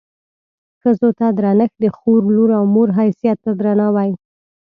ښځو ته درنښت د خور، لور او مور حیثیت ته درناوی.